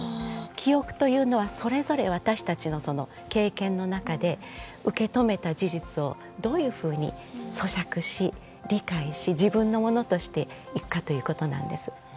記憶というのはそれぞれ私たちの経験の中で受け止めた事実をどういうふうに咀嚼し理解し自分のものとしていくかということなんです。